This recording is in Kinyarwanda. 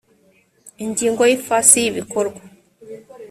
ingingo ya ifasi y ibikorwa